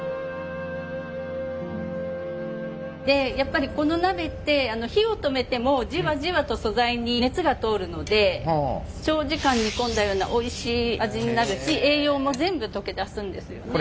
でやっぱりこの鍋って火を止めてもじわじわと素材に熱が通るので長時間煮込んだようなおいしい味になるし栄養も全部溶け出すんですよね。